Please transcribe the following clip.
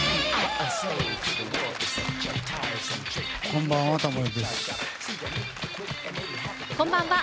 こんばんは。